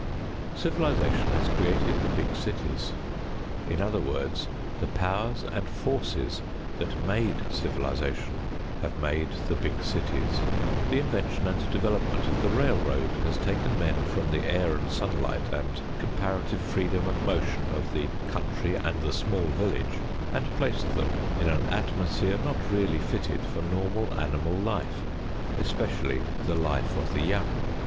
Civilization has created the big cities; in other words, the powers and forces that made civilization have made the big cities. The invention and development of the railroad has taken men from the air and sunlight and comparative freedom of motion of the country and the small village, and placed them in an atmosphere not really fitted for normal animal life, especially the life of the young.